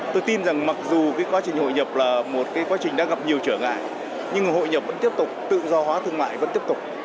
tôi tin rằng mặc dù cái quá trình hội nhập là một quá trình đã gặp nhiều trở ngại nhưng hội nhập vẫn tiếp tục tự do hóa thương mại vẫn tiếp tục